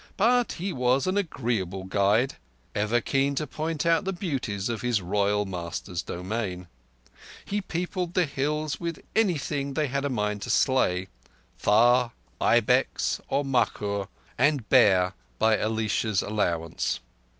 But he was an agreeable guide, ever keen to point out the beauties of his royal master's domain. He peopled the hills with anything thev had a mind to slay—thar, ibex, or markhor, and bear by Elisha's allowance.